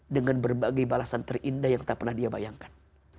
dengan berbagai balasan terindah yang tak pernah dia bayangkan